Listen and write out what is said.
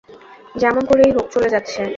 যেমন করেই হোক চলে যাচ্ছে।